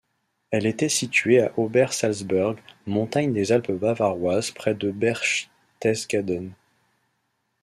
Elle était située à Obersalzberg, montagne des Alpes bavaroises près de Berchtesgaden.